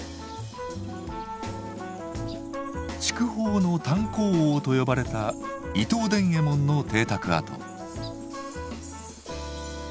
筑豊の炭鉱王と呼ばれた伊藤伝右衛門の邸宅跡。